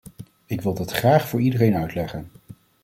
Ik wil dat graag voor iedereen uitleggen.